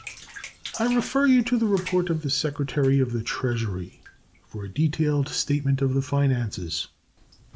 I refer you to the report of the Secretary of the Treasury for a detailed statement of the finances.